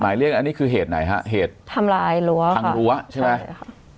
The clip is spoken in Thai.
หมายเรียกอันนี้คือเหตุไหนฮะเหตุทำร้ายรั้วค่ะทำรั้วใช่ไหมใช่ค่ะ